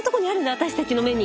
私たちの目に！